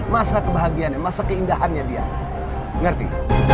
masa kebahagiaannya masa keindahannya dia ngerti